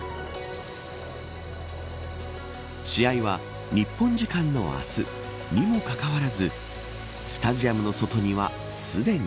試合は日本時間の明日にもかかわらずスタジアムの外には、すでに。